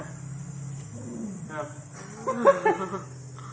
อ้าว